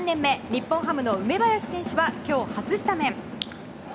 日本ハムの梅林選手は今日、初スタメン。